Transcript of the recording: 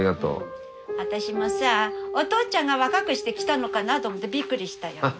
私もさお父ちゃんが若くして来たのかなと思ってびっくりしたよ。